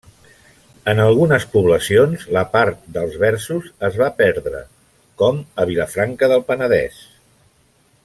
En algunes poblacions la part dels versos es va perdre, com a Vilafranca del Penedès.